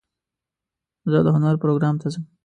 زه د هنر پروګرام ته ځم.